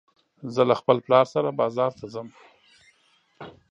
زه له خپل پلار سره بازار ته ځم